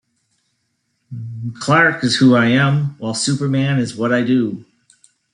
Clark is who I am, while Superman is what I do.